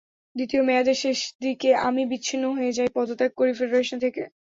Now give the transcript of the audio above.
দ্বিতীয় মেয়াদের শেষ দিকে আমি বিচ্ছিন্ন হয়ে যাই, পদত্যাগ করি ফেডারেশন থেকে।